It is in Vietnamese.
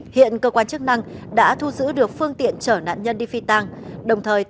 hiện cơ quan chức năng đã thu giữ được phương tiện trở nạn nhân đi phi tang